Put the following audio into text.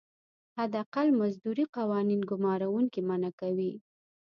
حداقل مزدوري قوانین ګمارونکي منعه کوي.